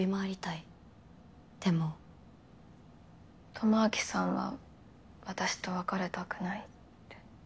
智明さんは私と別れたくないって。